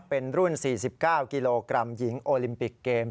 เป็นรุ่น๔๙กิโลกรัมหญิงโอลิมปิกเกม